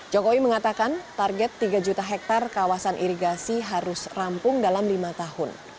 jokowi mengatakan target tiga juta hektare kawasan irigasi harus rampung dalam lima tahun